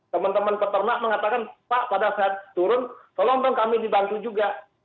teman teman peternak mengatakan pak pada saat turun kelontong kami dibantu juga